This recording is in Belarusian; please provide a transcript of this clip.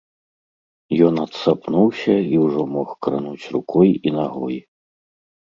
Ён адсапнуўся і ўжо мог крануць рукой і нагой.